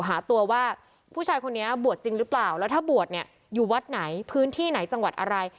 หาตัวว่าผู้ชายคนนี้บวชจริงหรือเปล่าแล้วถ้าบวชเนี่ยอยู่วัดไหนพื้นที่ไหนจังหวัดอะไร